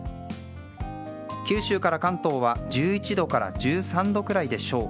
九州から関東は１１度から１３度くらいでしょう。